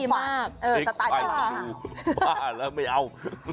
บ้าแล้วไม่เอา